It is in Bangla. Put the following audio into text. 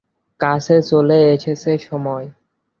কাছে চলে এসেছে সময়।